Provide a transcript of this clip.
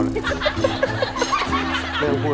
ไม่มีอย่างคู่หรอก